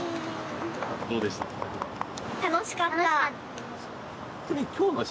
どうでした？